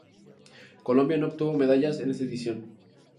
Colombia no obtuvo medallas en esta edición.